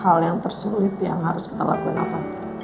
hal yang tersulit yang harus kita lakukan apa